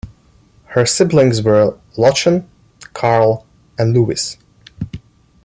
Her siblings were Lottchen, Karl and Louis.